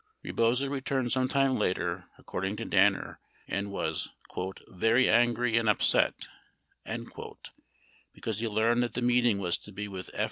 46 Rebozo returned sometime later, 47 according to Danner, and was "very angry and upset" because he learned that the meeting was to be with F.